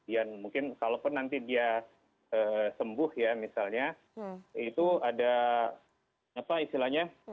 yang mungkin kalau pun nanti dia sembuh ya misalnya itu ada apa istilahnya